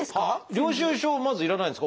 領収書まず要らないんですか？